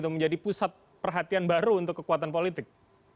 menjadi pusat perhatian baru untuk kekuatan politik